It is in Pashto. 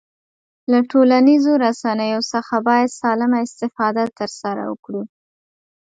له ټولنیزو رسنیو څخه باید سالمه استفاده ترسره وکړو